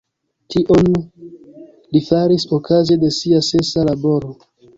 Tion li faris okaze de sia sesa laboro.